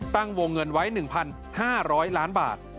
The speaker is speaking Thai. ตั้งวงเงินไว้๑๕๐๐ล้านบาท